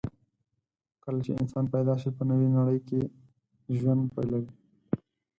کله چې انسان پیدا شي، په نوې نړۍ کې ژوند پیلوي.